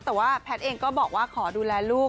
แต่ว่าแพทย์เองก็บอกว่าขอดูแลลูก